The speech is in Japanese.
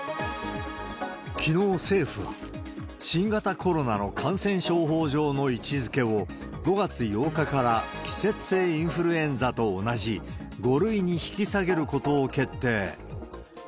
きのう、政府は、新型コロナの感染症法上の位置づけを５月８日から季節性インフルエンザと同じ５類に引き下げることを決定。